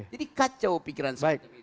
jadi kacau pikiran seperti itu